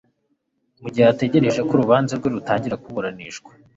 mu gihe ategereje ko urubanza rwe rutangira kuburanishwa